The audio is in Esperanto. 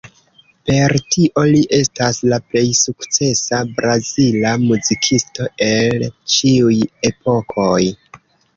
Per tio li estas la plej sukcesa brazila muzikisto el ĉiuj epokoj.